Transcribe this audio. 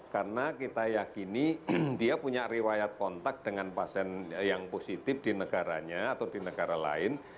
karena kita yakini dia punya riwayat kontak dengan pasien yang positif di negaranya atau di negara lain